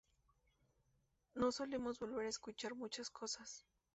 No solemos volver a escuchar muchas cosas.